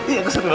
iya saya terima